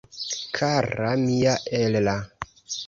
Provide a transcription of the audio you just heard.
Kara mia Ella!